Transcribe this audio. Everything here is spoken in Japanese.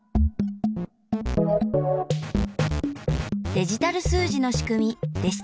デジタル数字のしくみでした。